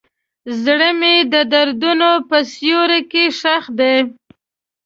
زړه مې د دردونو په سیوري کې ښخ دی.